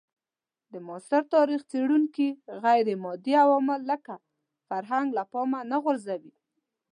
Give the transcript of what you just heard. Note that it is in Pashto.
د معاصر تاریخ څېړونکي غیرمادي عوامل لکه فرهنګ له پامه نه غورځوي.